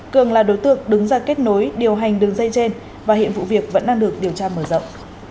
cường là đối tượng đứng ra kết nối điều hành đường dây trên và hiện vụ việc vẫn đang được điều tra mở rộng